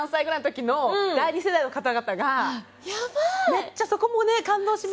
めっちゃそこも感動しますよね。